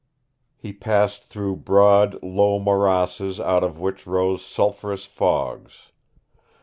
He passed through broad, low morasses out of which rose sulphurous fogs.